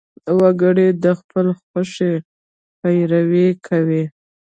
وګړي د خپلې خوښې پیروي کوي.